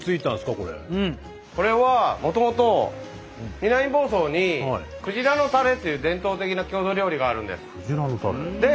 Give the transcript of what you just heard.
これはもともと南房総に「くじらのたれ」っていう伝統的な郷土料理があるんです。